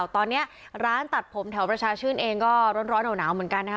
ตอนนี้ร้านตัดผมแถวประชาชื่นเองก็ร้อนหนาวเหมือนกันนะคะ